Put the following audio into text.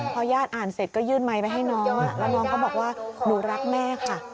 พอญาติอ่านเสร็จก็ยื่นไมค์ไปให้น้องแล้วน้องก็บอกว่าหนูรักแม่ค่ะ